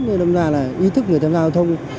nên đâm ra là ý thức người tham gia giao thông